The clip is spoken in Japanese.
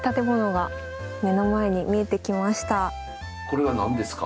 これは何ですか？